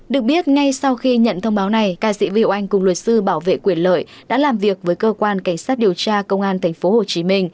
được biết ngay sau khi nhận thông báo này ca sĩ viu anh cùng luật sư bảo vệ quyền lợi đã làm việc với cơ quan cảnh sát điều tra công an tp hcm